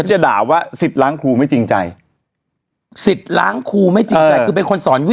จะด่าว่าสิทธิ์ล้างครูไม่จริงใจคือเป็นคนสอนวิ่ง